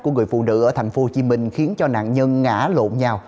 của người phụ nữ ở tp hcm khiến cho nạn nhân ngã lộn nhau